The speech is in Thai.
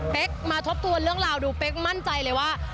แป๊กมาทบตัวเรื่องราวดูแป๊กมั่นใจเลยว่า